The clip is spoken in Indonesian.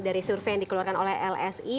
dari survei yang dikeluarkan oleh lsi